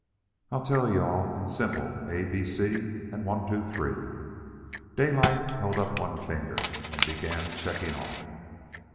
"I'll tell you all in simple A, B, C and one, two, three." Daylight held up one finger and began checking off.